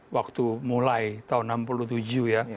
waktu mulai tahun enam puluh tujuh ya